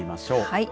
はい。